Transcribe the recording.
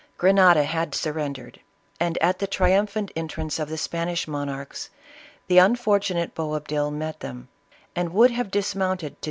Grenada had surrendered, and, at the triumphant entrance of the Spanish monarchs, the unfortunate Boabdil met them, and would have dismounted to.